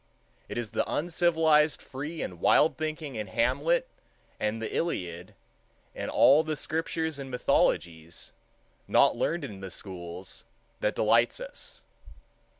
It is the uncivilized free and wild thinking in Hamlet and the Iliad, in all the scriptures and mythologies, not learned in the schools, that delights us.